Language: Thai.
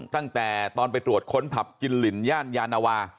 ตั้งแต่ตอนไปตรวจค้นผับกินลินย่านยานวา